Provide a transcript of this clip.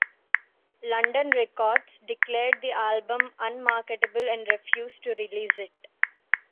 London Records declared the album unmarketable and refused to release it.